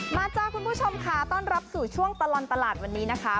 จ้าคุณผู้ชมค่ะต้อนรับสู่ช่วงตลอดตลาดวันนี้นะคะ